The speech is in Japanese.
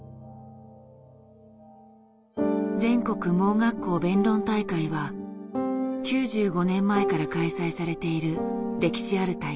全国盲学校弁論大会は９５年前から開催されている歴史ある大会。